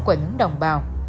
của những đồng bào